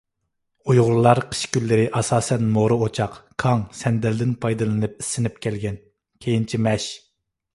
ئۇيغۇرلار قىش كۈنلىرى ئاساسەن مورا ئوچاق، كاڭ، سەندەلدىن پايدىلىنىپ ئىسسىنىپ كەلگەن، كېيىنچە مەش.